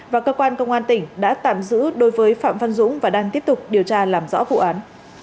và cơ quan công an tỉnh đã tạm giữ đối với phạm văn dũng và đang tiếp tục điều tra làm rõ vụ án